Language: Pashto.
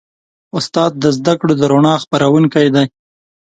استاد د زدهکړو د رڼا خپروونکی دی.